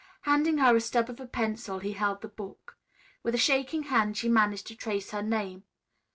Handing her a stub of a pencil, he held the book. With a shaking hand she managed to trace her name.